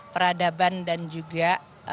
peradaban dan juga